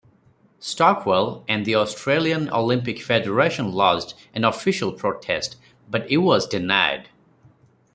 Stockwell and the Australian Olympic Federation lodged an official protest, but it was denied.